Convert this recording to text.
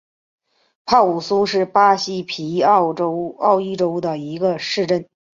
帕武苏是巴西皮奥伊州的一个市镇。